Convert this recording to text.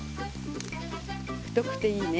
太くていいね。